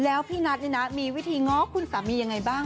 แล้วพี่นัทนี่นะมีวิธีง้อคุณสามียังไงบ้าง